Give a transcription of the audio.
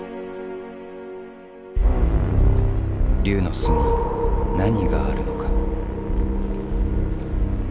龍の巣に何があるのか？